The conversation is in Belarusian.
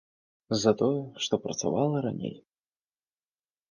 За тое, што працавала раней!